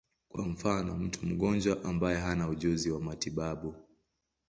Kwa mfano, mtu mgonjwa ambaye hana ujuzi wa matibabu.